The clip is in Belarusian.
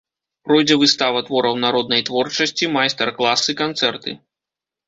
Пройдзе выстава твораў народнай творчасці, майстар-класы, канцэрты.